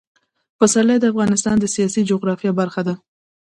پسرلی د افغانستان د سیاسي جغرافیه برخه ده.